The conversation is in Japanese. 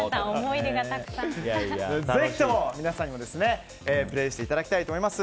ぜひとも皆さんにもプレーしていただきたいと思います。